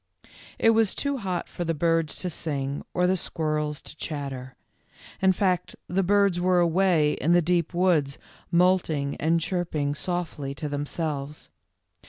It was too hot for the birds to sing or the squirrels to chatter. In fact, the birds were away in the deep woods moulting and chirp ing softly to themselves.